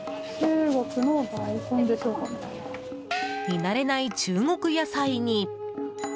見慣れない中国野菜に。